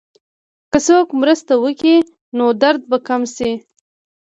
که څوک مرسته وکړي، نو درد به کم شي.